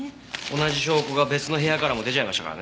同じ証拠が別の部屋からも出ちゃいましたからね。